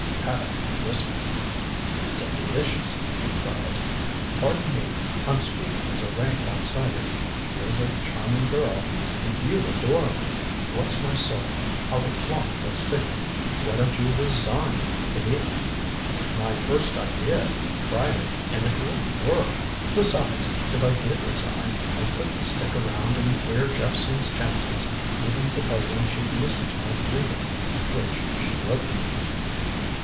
Paddock whistled. "Delicious," he cried. "Pardon me I'm speaking as a rank outsider. She is a charming girl. And you adore her! Bless my soul, how the plot does thicken! Why don't you resign, you idiot?" "My first idea. Tried it, and it wouldn't work. Besides, if I did resign, I couldn't stick around and queer Jephson's chances even supposing she'd listen to my pleading, which she wouldn't."